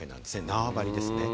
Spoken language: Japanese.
縄張りですね。